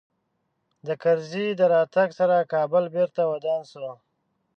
د کرزي د راتګ سره کابل بېرته ودان سو